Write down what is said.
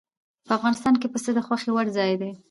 په افغانستان کې پسه د خوښې وړ ځای دی.